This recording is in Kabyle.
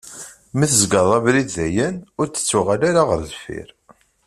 Mi tzegreḍ abrid dayen, ur d-ttuɣal ara ɣer deffir.